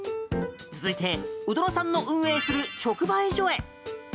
続いて鵜殿さんの運営する直売所へ。